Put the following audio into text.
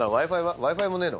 Ｗｉ−Ｆｉもねぇの？